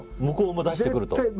向こうも出してくると。